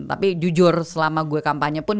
tapi jujur selama gue kampanye pun